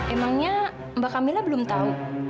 emangnya mbak camilla belum tahu